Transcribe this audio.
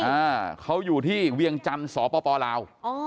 อ่าเขาอยู่ที่เวียงจันทร์สปลาวอ๋อ